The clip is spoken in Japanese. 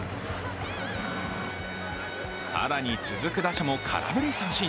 更に続く打者も空振り三振。